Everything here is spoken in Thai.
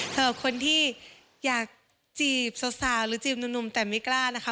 เถอะคนที่อยากจีบสาวหรือจีบหนุ่มแต่ไม่กล้านะคะ